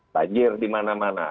banjir di mana mana